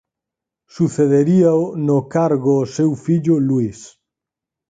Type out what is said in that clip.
Sucederíao no cargo o seu fillo Luís.